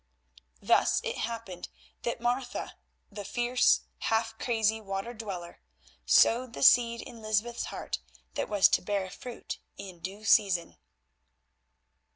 Thus it happened that Martha, the fierce, half crazy water dweller, sowed the seed in Lysbeth's heart that was to bear fruit in due season.